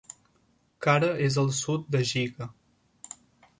Cara és al sud de Gigha.